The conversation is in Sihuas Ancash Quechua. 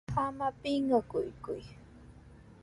¡Ama pinqakuyku!